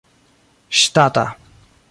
ŝtata